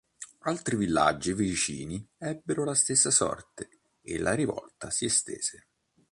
Altri villaggi vicini ebbero la stessa sorte, e la rivolta si estese.